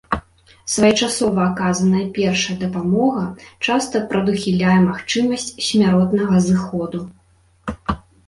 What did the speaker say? Своечасова аказаная першая дапамога часта прадухіляе магчымасць смяротнага зыходу.